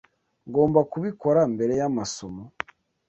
Ngomba kubikora mbere yamasomo.